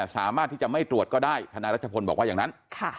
สามารถที่จะไม่ตรวจก็ได้ทนายรัชพลบอกว่าอย่างนั้น